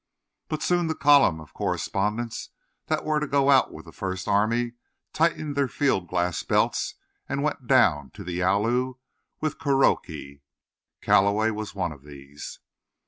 But soon the column of correspondents that were to go out with the First Army tightened their field glass belts and went down to the Yalu with Kuroki. Calloway was one of these.